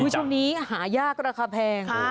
ช่วงนี้หายากราคาแพง